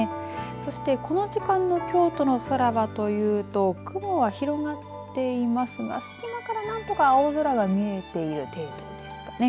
そして、この時間の京都の空はというと雲は広がっていますが隙間からなんとか青空が見えている程度ですかね。